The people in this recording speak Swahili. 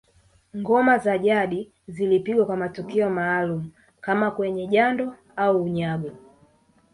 Ngoma za jadi zilipigwa kwa matukio maalum kama kwenye jando au unyago